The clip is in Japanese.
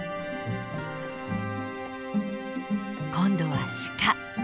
今度は鹿。